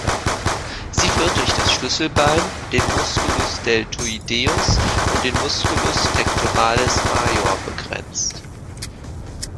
Sie wird durch das Schlüsselbein, den Musculus deltoideus und den Musculus pectoralis major begrenzt.